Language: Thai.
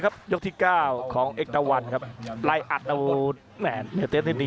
มาอัตมาบ๊อน๑๙๓๐